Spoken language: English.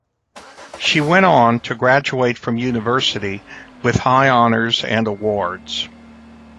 She went on to graduate from university with high honors and awards.